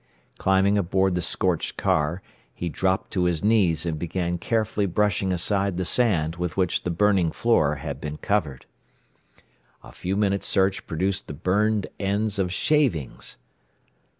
Climbing aboard the scorched car, he dropped to his knees and began carefully brushing aside the sand with which the burning floor had been covered. A few minutes' search produced the burned ends of shavings!